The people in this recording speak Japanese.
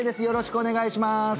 よろしくお願いします